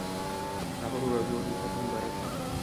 ستا غرور او زور دې تا ته مبارک وي